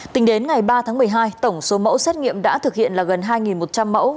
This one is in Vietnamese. tính đến ngày ba tháng một mươi hai tổng số mẫu xét nghiệm đã thực hiện là gần hai một trăm linh mẫu